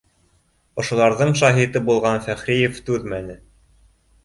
Ошоларҙың шаһиты булған Фәхриев түҙмәне: